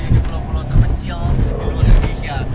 di pulau pulau terkecil di luar indonesia